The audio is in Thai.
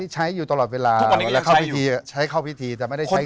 พี่ใช้อยู่ตลอดเวลาทุกวันนี้ก็ยังใช้อยู่ใช้เข้าพิธีใช้เข้าพิธีแต่ไม่ได้ใช้งาน